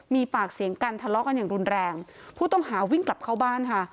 มีปากเสียงกันทะเลาะกันอย่างรุนแรงผู้ต้องหาวิ่งกลับเข้าบ้านค่ะ